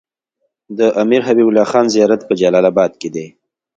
د امير حبيب الله خان زيارت په جلال اباد کی دی